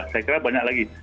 saya kira banyak lagi